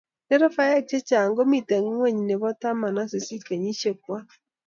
nderefainik chechang komito ingweny nebo taman ak sisit kenyishiekwai